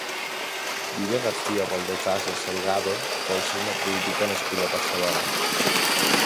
Julia García-Valdecasas Salgado va ser una política nascuda a Barcelona.